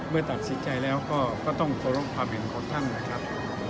เมื่อตัดสินใจแล้วก็ต้องเคารพความเห็นของท่านนะครับ